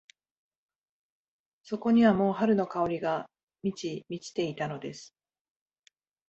そこにはもう春の香りが満ち満ちていたのです。